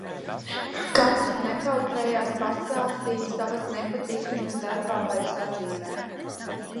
Katrs nekautrējās pastāstīt savas nepatikšanas darbā vai sadzīvē.